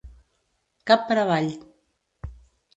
Cap per avall.